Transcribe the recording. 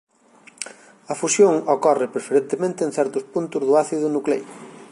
A fusión ocorre preferentemente en certos puntos do ácido nucleico.